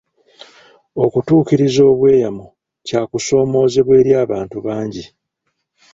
Okutuukiriza obweyamo kya kusoomoozebwa eri abantu bangi.